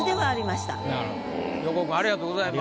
横尾君ありがとうございます。